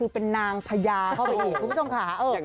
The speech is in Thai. เป็นนางพญาเข้าไปอีกปุ๊บตรงขา